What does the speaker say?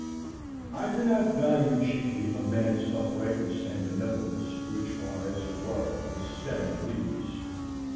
I do not value chiefly a man's uprightness and benevolence, which are, as it were, his stem and leaves.